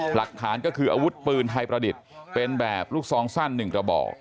หลักฐานก็คืออาวุธปืนไทยประดิษฐ์เป็นแบบลูกซองสั้น๑กระบอก